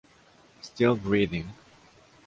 Still breathing.